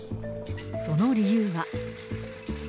その理由は。